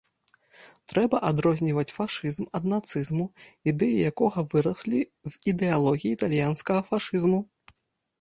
Трэба адрозніваць фашызм ад нацызму, ідэі якога выраслі з ідэалогіі італьянскага фашызму.